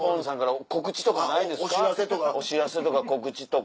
お知らせとか告知とか。